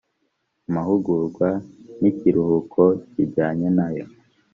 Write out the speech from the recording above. amahugurwa n ikiruhuko kijyanye nayo